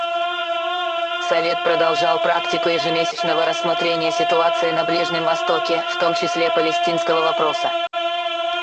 Совет продолжал практику ежемесячного рассмотрения ситуации на Ближнем Востоке, в том числе палестинского вопроса.